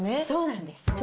そうなんです。